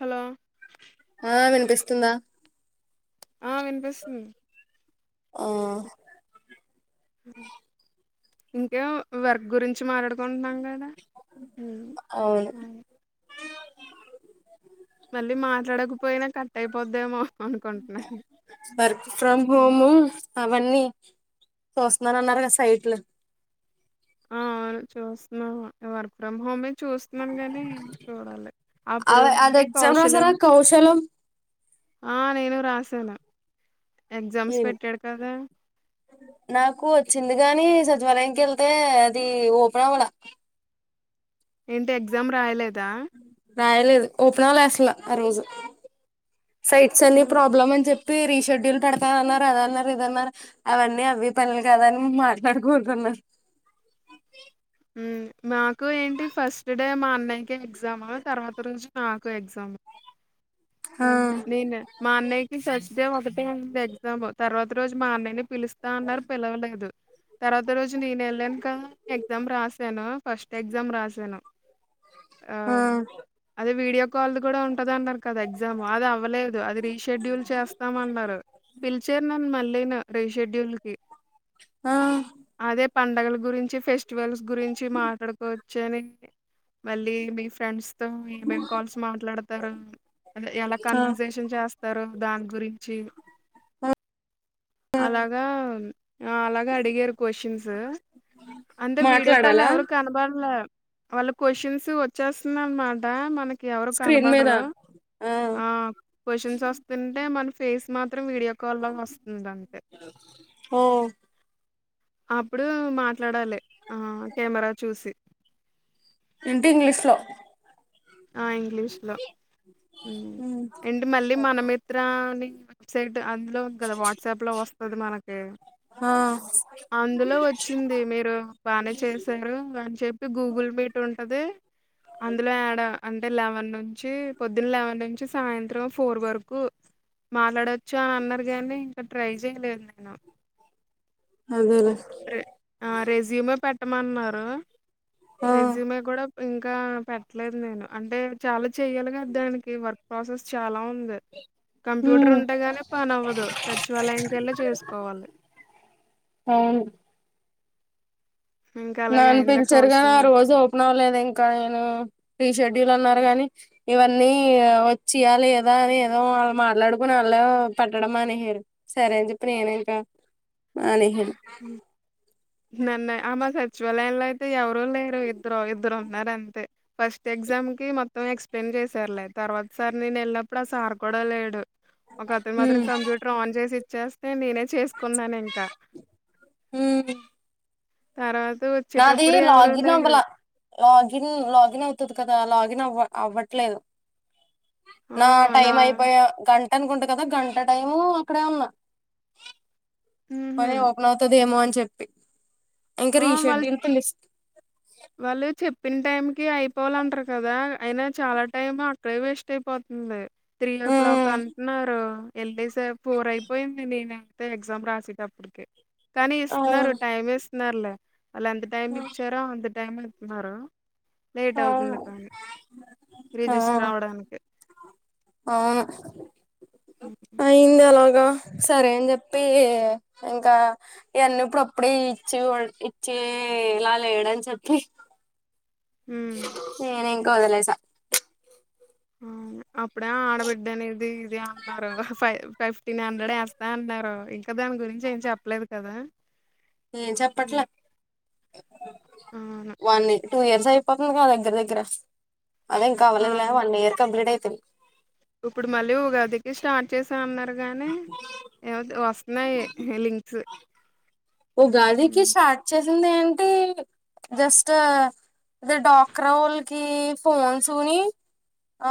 Hello ఆ వినిపిస్తుందా ఆ వినుపిస్తుంది ఆ ఇంకా వర్క్ గురించి మాట్లాడుకుంటున్నాం ఏడ ఉ అవును అ మళ్ళీ మాట్లాడకపోయినా కట్ అయిపోద్దేమో అనుకుంటున్నాను వర్క్ ఫ్రమ్ హోము అవన్నీ చోస్తున్నా అన్నారు కదా సైట్లు అ అవును చూస్తున్నా వర్క్ ఫ్రమ్ హోమ్ చూస్తున్నాను గానీ చూడాలి అప్పుడు అవి అది ఏంటి ఎగ్జామ్ రాసారా కౌశలం కౌశలం ఆ నేను రాసాను ఎగ్జామ్స్ ఏం పెట్టాడు కదా నాకు వచ్చింది గాని నీ సచివాలయంనికి వెళ్తే అది ఓపన్ అవ్వలా ఏంటి ఎగ్జామ్ రాయలేదు దా రాయలేదు ఓపెన్ అవ్వాలే అసలు ఆ రోజు సైట్స్ అన్ని ఉమ్, ప్రాబ్లమ్ అని చెప్ రీ రీ షెడ్యూల్ పెడతాన్నారు అదన్నారు ఇదన్నారు అవన్నీ అవె పనులు గాదు అని మాట్లాడుకుంటన్నారు ఉమ్ మా కు ఏంటి ఫస్ట్ డే మాన్ నైకే ఎగ్జామా తర్వాత రోజు నాకు ఎగ్జామ్ ఆ నేనా మా అన్నయ్యకి సచ్చదేవ్ ఒకటే ఉన్నది దాము తర్వాత రోజు మా అన్నయ్య నీ పిలూస్ తా అన్నారు పిలువలేదు తర్వాత రోజు నేను వెళ్ళాను కదా ఎగ్జామ్ రాసాను ఫస్ట్ ఎగ్జామ్ రాసాను ఆ అదే వీడియో కాల్ గుడా ఉంటది అన్నారు కదా ఎగ్స్ ఎగ్జామ్ అది అవ్వలేదు అది రీషెడ్యూల్ చేస్తామన్నారు పిలిచారు నన్ను మళ్ళీ ను రీషెడ్యూల్ కి ఆ పండగల గురించి ఫెస్టివల్స్ గురించి మాట్లాడుకోవచ్చు అని మళ్ళీ మీ ఫ్రెండ్స్ తో ఎమ్ ఎమ్ కాల్స్ మాట్లాడతారు అదే ఎలా ఆ కన్వెన్జేషన్ చేస్తారు దాని గురించి ఆ అలాగా ఆ అలాగ అడిగారు క్వశ్చన్స్ అంటే వీడియో కాల్ మాట్లాడాలా ఎవరు కనబడలే వాళ్ళ క్వశ్చన్స్ వచ్చేస్తున్నా అన్ మాట మనకి ఎవరు స్క్రీన్ మీద కనబడరు ఆ క్వషన్స్ వస్తుంటే మన ఫేస్ మాత్ మాత్రం వీడియో కాల్ లొ వస్తుంది అంతె. ఓ అప్పుడు మాట్లాడాలి ఆ కెమెరా చూసి ఏంటి ఇంగ్లీష్ లో ఆ ఇంగ్లీష్ లో ఉం ఏంటి మళ్ళీ మనమిత్ర అని వెబ్సైట్ అందులో ఉంది కదా వాట్సాప్ లో వస్ వద్దు మనకి ఆ అందులో వచ్చింది మీరు బానే చేశారు అని చెప్పి గూగుల్ మీట్ ఉంటది అందులో యాడ్ అంటే లెవెన్ నుంచి పొద్దున లెవెన్ నుంచి సాయంత్రం ఫోర్ వరకు మాట్లాడొచ్చు అని అన్నారు కానీ ఇంక ట్రై చేయలేదు నేను అదేలె రె ఆ రెస్యూమ్ ఎ పెట్ పేట్టమన్నారు ఆ రెజ్యూమె కూడా ఇంకా పెట్టలేదు నేను అంటే చాలా చెయ్యాలి కదా దానికి వర్క్ ప్రాసెస్ చాలా ఉంది ఉంది కంప్యూటర్ ఉమ్ ఉంటేగానే పనవ్వదు సచివాలయంకెల్లె చేసుకోవాలి. అవును ఇంకా అలాగే నాన్ అయిందా పిలిచారుగానీ ఆ కౌశలం రోజు ఎగ్జామ్ ఓపెన్ అవ్వలేదు ఇంకా నేను ప్రీ షెడ్యూల్ అన్నారు గానీ ఇవన్నీ వచ్చియా లేదా అని ఏదో వాళ్ళు మాట్లాడుకుని వాళ్ళు పట్టడం మానేశారు సరే అని చెప్పి నేనే ఎల్లిపోయా మానేశారు అ నన్న ఆ మా సచివాలయ లో అయితే ఎవరు లేరు ఇద్దరు ఇద్దరు ఉన్నారంతే ఫస్ట్ ఎగ్జామ్ కి మొత్తం ఎక్స్ప్లెయిన్ చేసారు లే తర్వాత సార్ నేన్ ఎల్లినప్పుడు ఆ సార్ కూడా లేడు ఒక అతను ఉమ్ మాత్రం కంప్యూటర్ ఆన్ చేసి చేస్తే నేనైత్ చేసుకున్నాను ఇంక ఊ తార నాది లాగిన్ అవ్లా లాగిన్ లాగిన్ అయితది కదా లాగిన్ నవ్వ అవ్వట్లేదు నా టైమ్ అయిపోయా గన్ టనుకుంటా గదా గంట టైము అక్కడే ఉన్నా. హుహు పని ఓపెనవుతదేమో అని చెప్పి ఇంక రీ ఆ వాళ్ళు షెడ్యూల్ కి లిఫ్ట్ కి అయిపోవాలంటరు కదా అయినా చాలా టైం అక్కడే వేస్ట్ అయిపోతుంది. త్రీ యో క్లాక్ ఉమ్ అంటున్నారు. ఎల్లేసి పోర్ అయిపోయింది నీది ఎగ్జామ్ రాసేటప్పటికీ కానీ ఇస్తున్నారు అవును టైం నర్లే వాళ్లు ఎంత టైం ఇచ్చారో తిమిళిత్తున్నారా అవును ఆ రిజిస్టర్ అవ్వడానికి. అవును అయ్యిందా అలాగా సరే అని జెప్పి ఇంకా ఇవన్నీ ఇప్పుడుప్పుడే ఇచ్చి ఇచ్చి ఇలా లేడని చెప్పి ఉ నేను ఇంకా వదిలేసా వును అప్ ఇప్పుడే ఆడబిడ్డ అనేది ఇది అన్నారు ఫై ఫైవ్ ఫిఫ్టీన్ హండ్రెడ్ వేస్తా అన్నారు ఇంకా దాని గురించి ఏం చెప్పలేదు గదా ఏం చెప్పట్ల అవును. వాన్ని టూ ఇయర్స్ అయిపోతుంది గదా దగ్గర్దగ్గర అదే ఇంకా అవ్వలేదులే అవును. వన్ ఇయర్ కంప్లీట్ [inaudible] ఇప్పుడు మళ్ళీ ఉగాదికి స్టార్ట్ చేసా అన్నారు. కాగానే ఎ వస్త నై హిలింగ్స్ ఉగాదికీ స్టార్ట్ ంది ఏంటి జస్ట్ అదే డాక్రా వొళ్ళకి ఫోన్స్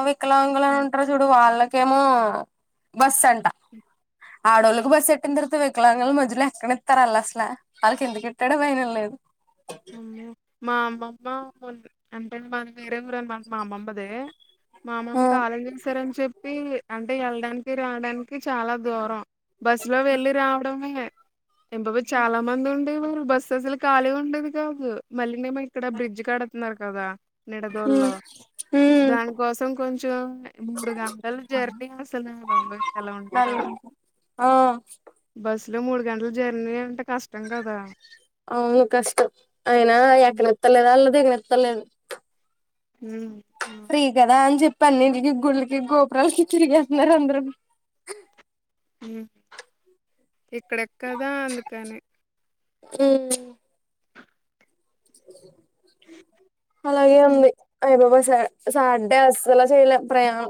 వికలాంగుల ఉంటారు చూడు వాళ్ళకి ఇకేమో బస్ అంట ఆడోళ్ళకి బస్ పెట్టిన తర్వాత వికలాంగులు మధ్యలో ఎక్కడ ఇస్తారు అలా [unintelligible] లేదు [unintelligible] మా అమ్మమ్మ అంటే మా వేరే ఊర అనమాట మా అమ్మమ్మది మామమ్మకు ఉమ్ [unintelligible] చెప్పి అంటే వెళ్ళడానికి రావడానికి చాలా దూరం బస్సు లో వెళ్ళలి రావడమే [unintelligible] మంది ఉండి బస్సు అసలు కాలిగుండదు జాబు మల్లి మేము ఇక్కడ బ్రిడ్జ్ కడుతున్నారు కదా నిడదోల్లో ఉమ్ దానికోసం కొంచెం మూడు గంటల జర్నీ అసలు బాబొయ్ ఎలా ఉండేదో ఆ బస్ ఇలో మూడు గంటలు జర్నీ అంట కష్టం కదా అయనా ఉమ్ అయకవొత్తలేదా అల్ద దేగ తలేం ఊ పన్నటికి గుళ్ళకి గోపురాలకి తిరిగేస్తున్నారు అందరును ఉమ్ ఇక్కడెక్కదా అందుకని ఊ అలాగే ఉంది అయ బాబోయ్ ల సాడే అసలా చేయలేం ప్రయాణం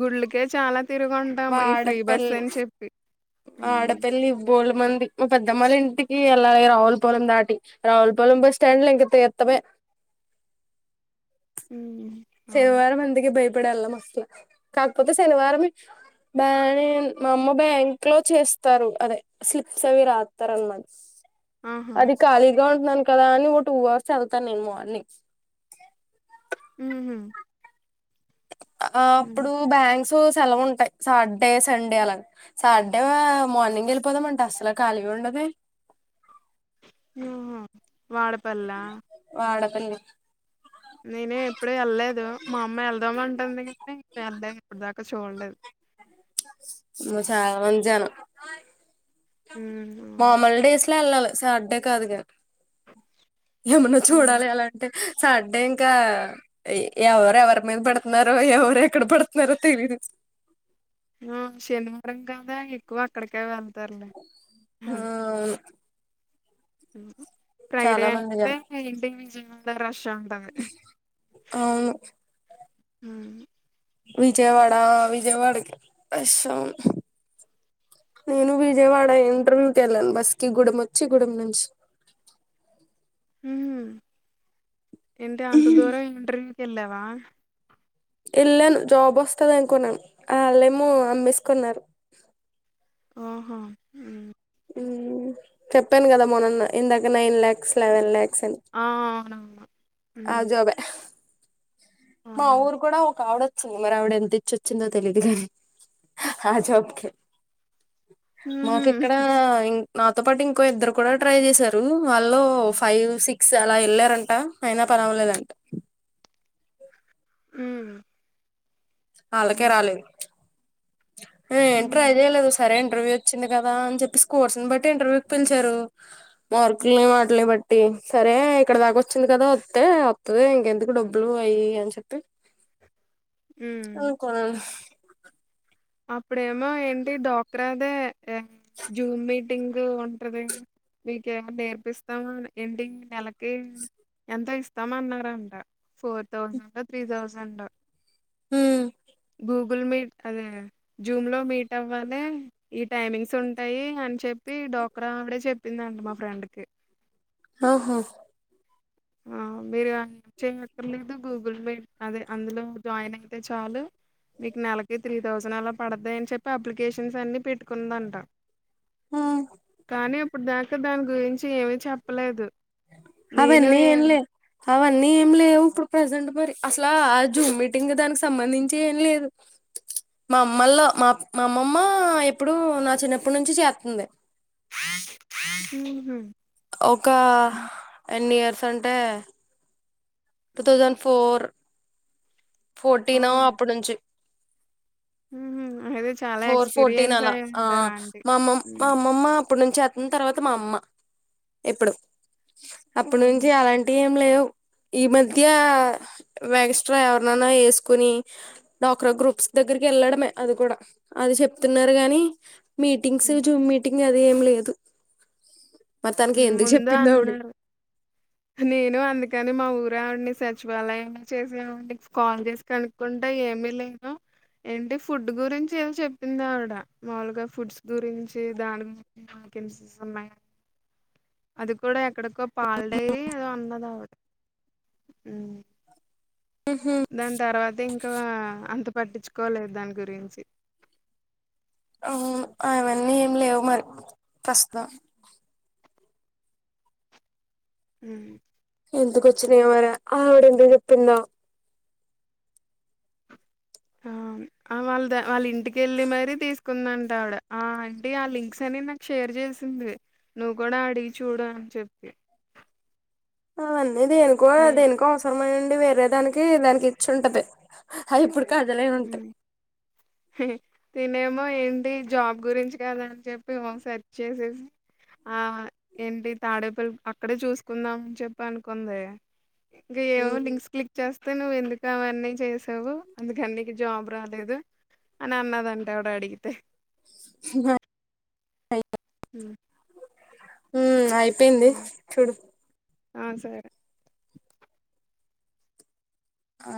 గుళ్ళకే చాలా తిరుగుంటాం ఈ ఫ్రీ బస్ అని చెప్పి ఉమ్ ఆడపెళ్లి ఉమ్ పోల మంది మా పెద్దమోల ఇంటికి ఎళ రయావుల్ పురం దాటి రావులపొలెం బస్ స్టాండ్ లో ఇంకా తీర్తమే ఊ శనివారం మందికి బయ్ ఇప్పుడెళ్ళం అస్సల కాకపోతే శనివారం బ్యా ఇన్ మా అమ్మ బ్యాంక్ లో చేస్తారు అదె స్లిప్సవి రాత్తారనమాట ఆహా అది కాలీది యోగ్నాన్ కదా అని ఓ టూ అర్స్ చదుతా నేను మార్నింగ్ ఊహ్మ్ ఆ అప్పుడు బ్యాంక్ సో సెలవుంటాయి సార్డే సండే అలాగ సార్డే ఆ మార్నింగెళ్ళిపోదాంమంటే అస్సల ఖాళీగా ఉండదె ఆహ వాడ పల్లా అన్ని నేనే ఎప్పుడు ఎళ్ళలేదు మా అమ్మ ఎళ్దామంటుంది కానీ వెల్లేదు ఇప్పుడుదాకా చోలేదు మచ రంజాను మ్మ్ ఔను అట్లే వెళ్ళాలి సాడ్డే కాదు గ ఏమన్నా ఉమ్ చూడాలి అలా అంటే సాడ్డే ఇంకా ఎవరు ఎవరి మీద పెడుతున్నారో ఎవరు ఎక్కడ పెడుతున్నారో తెలీదు ఆ శనివారం కదా ఎక్కువ అక్కడికే వెళ్ ఆ ఔను హ్మ్ ఫ్రైడే మంది అంటే జనం ఇంటిక్పిల్చి అంద రాష్ చాన్తామి అవును హ్మ్ విజయవాడ విజయవాడకె బైసౌన్ నేను విజయవాడ ఇంటర్వ్యూకెళ్ళాన్ బస్కి గుడెమ్ వచ్చి గుడెమ్ నుంచి హ్మ్ ఏంటి అంత దూరం ఇంటర్వ్యూ ఎల్లావా ఎళ్లాను జాబొసస్తాదనుకున్నాను అళ్ళేమో అమ్మేస్కున్నారు ఓహో హ్మ్ హ్మ్ చెప్పాను కదా మొన్ననే ఇందాక నైన్ ల్యాక్స్ లెవెన్ ల్యాక్ ఆ ఔనవును ఆ జాబే మా ఆహా ఊరు కూడా ఒకావిడ సో మరావిడ ఎంత ఇచ్చొచ్చిందో తెలీదు కాని ఆ జాబ్కే ఉహు మాకిక్కడ ఇం నాతో పాటు ఇంకో ఇద్దరు కూడా ట్రై చేసారు వాళ్లో ఫైవ్ సిక్స్ అలా ఎళ్ళారంట ఐనా పనవ్వలేదంట హ్మ్ ఆళ్ళకే రాలేదు ఆ ఎంట్రా ఐదేళ్లు సరే ఇంటర్వ్యూ వచ్చింది కదా అని చెప్పి కోర్స్ని బట్టి ఇంటర్వ్యూ పిలిచారు మార్కుల్ని వాట్నీ బట్టి సరే ఇక్కడ దాకా వచ్చింది కదా వత్తే వత్తది ఇంకెందుకు డబ్బులు అయి ఇయి అని చెప్పి అవును కొనం అప్పుడేమో ఏంటి డాక్రాదే జూమ్ మీట్ టింగ్ ఉంటది మీక ఎ నేర్పిస్తాము ఎండింగ్ నెలకి ఎంత ఇస్తాం అన్నారంట ఫోర్ థౌజండ్ ఒ త్రీ థౌజండ్ ఒ హ్మ్ గూగుల్ మీట్ అదే జూమ్ లో మీట్ అవ్వాలె ఈ టైమింగ్స్ ఉంటాయి అని చెప్పి డాక్రా ఆవిడే చెప్ ప్పిందంట మా ఫ్రెండ్ కి ఆహా ఆ మీరు చేయక్కర్లేదు గూగుల్ పే అదే అందులో జాయిన్ అయితే చాలు మీకు నెలకి త్రీ థౌసండ్ అలా పడతాయి అని చెప్పి అప్లికేషన్స్ అన్ని పెట్టుకున్నదంట ఉమ్ కానీప్ ఇప్పుడు దాకా దాని గురించి ఏమి చెప్పలేదు నేను అవన్నీ ఏ లే అవన్నీ ఏమి లేవు ఇప్పుడు ప్రజెంట్ మరి అసలా ఆ జూమ్ మీటింగ్ దానికి సంబంధించి ఏం లేదు మా అమ్మల్లో మా మా అమ్మమ్మ ఎప్పుడో నా చిన్నప్పటి నుంచి చెత్తుంది ఉహు ఒక ఎన్ని ఇయర్ సంటే టూ థౌజండ్ ఫోర్ ఆ ఫోర్టీనో అప్పుడు నుంచి ఉహు అదే చాలా ఫోర్ ఫోర్టీన్ ఎక్స్పీరియన్స్ అలా అయి ఆ ఉంటారు ఆంటీ మామ్మ్ మా అమ్మమ్మా అప్పుడు నుంచి చెతుంది తర్వాత మా అమ్మ ఇప్పుడు అప్పటి ఆహా నుంచి అలాంటి ఎం లేవ్ ఈ మధ్య వెగస్ట్రా ఎవరననా ఏసుకుని డ్వాక్రా గ్రూప్స్ దగ్గరికి వెళ్ళడమే అది కూడా అది చెప్తున్నారు గాని మీటింగ్స్ ఉమ్. జుమ్ మీటింగ్ ఇగ్ అది ఏం లేదు మరి తనకి ఊమ్ ఎందుకు ముందు చెప్పిందో ఆవిడ అన్నాడు నేను అందుకని మా ఊర్ అవిడ నీ సచివాలయం మ చేసినని కాల్ చేసి కనుక్కుంటే ఏమి లేదు ఏంటి ఫుడ్ గురించి ఏదో చెప్పిందా ఆవిడ మాములుగా ఫుడ్స్ గురించి దాని గురించి [unintelligible] అది కూడా ఎక్ ఇక్కడికో పాల్ డైరీ ఏదో అన్నద ఆవిడ ఉ దాని తర్వాత ఇంకా అంత పట్టించుకోలేదు దాని గురించి ఓహో అవే అన్నీ ఏం లేవు మరి ప్రస్త ఉహ్ ఎందుకు వచ్చినాయి మరావిడ ఎందుకు చెప్పిందో ఆ ఆ వాళ్ళ వాళ్ళ ఇంటికేళ్ళి మరీ తీసుకుకుందంట ఆవిడ ఆ అంటే ఆ లింక్స్ అన్ని నాకు షేర్ చేసింది నువ్వు కూడా అడిగి చూడు అని చెప్పి అవున్ దేనుకో నే దేనికో అవసరమా వేరే దానికి దానికి ఇచ్చి ఉంటది అది ఇప్పుడు కాదాల ఉంటి హ్మ్ తినేమో ఏంటి జాబ్ గురించి కదని చెప్పి ఏమో సెర్చ్ చేసేసి ఆ ఏంటి తాడేపల్లి అక్కడే చూసుకుందాం అని చెప్పి అనుకుంది. ఇంక ఏవో లింక్స్ క్లిక్ చేస్తే నువ్వు ఎందుకు అవన్నీ చేసావు అందుకండి జాబ్ రాలేదు అని అన్నదంట ఆవిడ అడిగితే [inaudible] హూ హు ఆ అయిపోయింది చూడు ఆ సరే ఆ